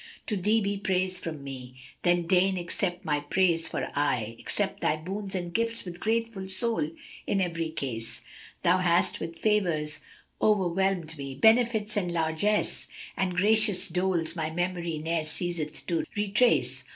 To Thee be praise from me! Then deign accept my praise for I * Accept Thy boons and gifts with grateful soul in every case. Thou hast with favours overwhelmed me, benefits and largesse * And gracious doles my memory ne'er ceaseth to retrace.